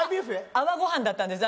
アワーご飯だったんです。